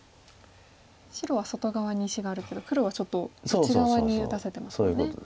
白は外側に石があるけど黒はちょっと内側に打たせてますよね。